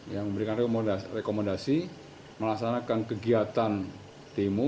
yang memberikan rekomendasi melaksanakan kegiatan demo